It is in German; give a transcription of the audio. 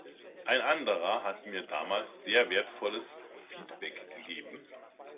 Ein anderer hat mir damals sehr wertvolles Feedback gegeben.